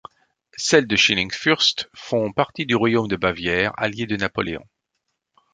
Celles de Schillingsfürst font partie du royaume de Bavière, allié de Napoléon.